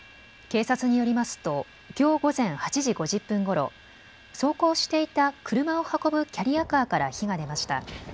警察によりますときょう午前８時５０分ごろ走行していた車を運ぶキャリアカーから火が出ました。